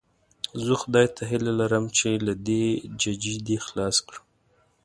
زه خدای ته هیله لرم چې له دې ججې دې خلاص کړم.